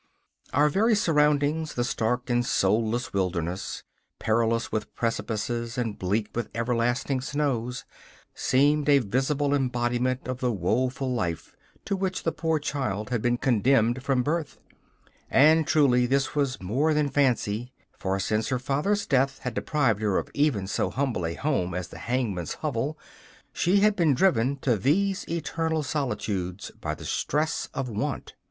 Our very surroundings the stark and soulless wilderness, perilous with precipices and bleak with everlasting snows seemed a visible embodiment of the woeful life to which the poor child had been condemned from birth; and truly this was more than fancy, for since her father's death had deprived her of even so humble a home as the hangman's hovel she had been driven to these eternal solitudes by the stress of want.